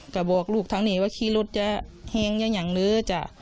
ก็บอกลูกทั้งนี้ว่าขี้รถจะแห้งอย่างนั้นเลยจ๊ะ